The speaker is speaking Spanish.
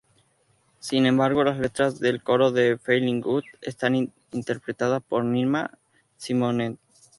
Sin embargo, las letras del coro de "Feeling Good" están interpretada por Nina Simone.